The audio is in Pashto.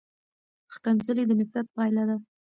ښکنځلې د نفرت پایله ده.